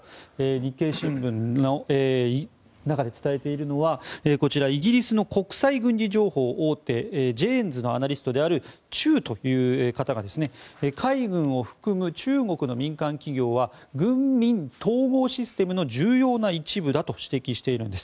日経新聞の中で伝えているのはこちら、イギリスの国際軍事情報大手ジェーンズのアナリストであるチューという方が海軍を含む中国の民間企業は軍民統合システムの重要な一部だと指摘しているんです。